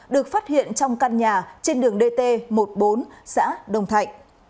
được phát hiện trong căn nhà trên đường dt một mươi bốn xã đồng thạnh